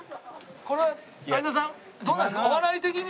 これは有田さんどうなんですか？